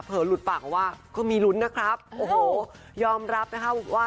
หลุดปากว่าก็มีลุ้นนะครับโอ้โหยอมรับนะคะว่า